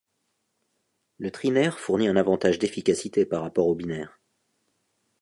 Le trinaire fournit un avantage d'efficacité par rapport au binaire.